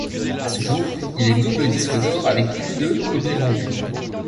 À ce jour, il est double disque d'or avec plus de copies vendues.